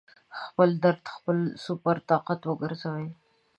خپل درد خپل سُوپر طاقت وګرځوئ